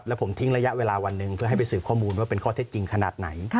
แล้วผมทิ้งระยะเวลาวันหนึ่งเพื่อให้ไปสืบข้อมูลว่าเป็นข้อเท็จจริงขนาดไหน